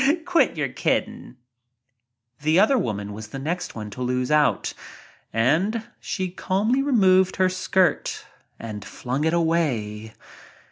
Quit your kidding." The other woman was the next one to lose out and she calmly removed her skirt and flung it away.